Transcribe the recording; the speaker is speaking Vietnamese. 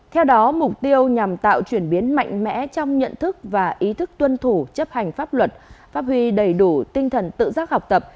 theo đó mục tiêu nhằm tạo chuyển biến mạnh mẽ trong nhận thức và ý thức tuân thủ chấp hành pháp luật phát huy đầy đủ tinh thần tự giác học tập